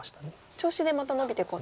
調子でまたノビていこうと。